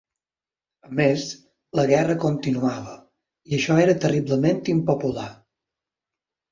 A més, la guerra continuava, i això era terriblement impopular.